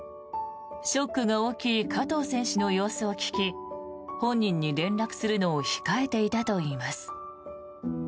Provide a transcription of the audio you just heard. ショックが大きい加藤選手の様子を聞き本人に連絡するのを控えていたといいます。